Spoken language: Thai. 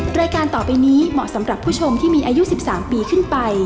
รายการต่อไปนี้เหมาะสำหรับผู้ชมที่มีอายุ๑๓ปีขึ้นไป